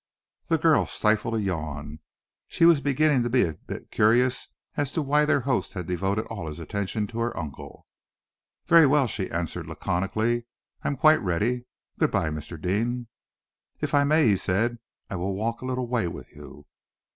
The girl stifled a yawn. She was beginning to be a bit curious as to why their host had devoted all his attention to her uncle. "Very well," she answered laconically. "I am quite ready. Good bye, Mr. Deane!" "If I may," he said, "I will walk a little way with you."